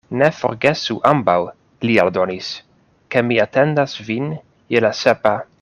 Ne forgesu ambaŭ, li aldonis, ke mi atendas vin je la sepa.